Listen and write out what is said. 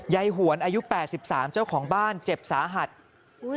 หวนอายุแปดสิบสามเจ้าของบ้านเจ็บสาหัสอุ้ย